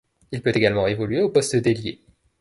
Il peut également évoluer au poste d'ailier.